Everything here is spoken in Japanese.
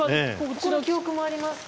ここの記憶もありますか？